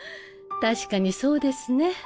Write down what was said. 確かにそうですね。